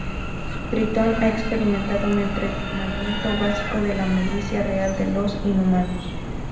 Tritón ha experimentado un entrenamiento básico de la milicia real de los Inhumanos.